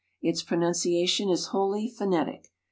Its pronunciation is wholly phonetic.